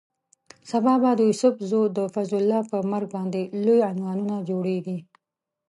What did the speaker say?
سبا به د یوسف زو د فضل الله پر مرګ باندې لوی عنوانونه جوړېږي.